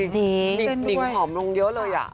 จริงเต้นด้วยหอมลงเยอะเลยอ่ะ